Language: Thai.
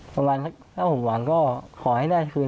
ประมาณ๕๖วันก็ขอให้ได้คืน